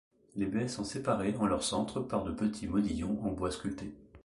Les baies sont séparées en leur centre par deux petits modillons en bois sculpté.